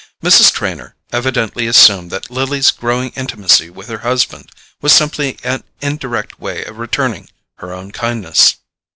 Mrs. Trenor evidently assumed that Lily's growing intimacy with her husband was simply an indirect way of returning her own kindness.